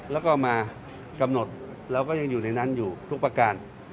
แล้วก็มากำหนดเราก็ยังอยู่ในนั้นอยู่ทุกประการ